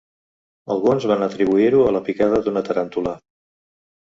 Alguns van atribuir-ho a la picada d'una taràntula.